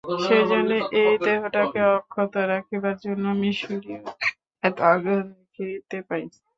সেইজন্যই এই দেহটাকে অক্ষত রাখিবার জন্য মিশরীয়দের এত আগ্রহ দেখিতে পাই।